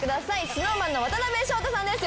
ＳｎｏｗＭａｎの渡辺翔太さんです。